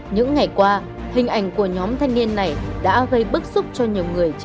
những ngày qua hình ảnh của nhóm thanh niên này đã gây bức xúc cho nhiều người trên địa